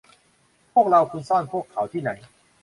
บอกเรา - คุณซ่อนพวกเขาที่ไหน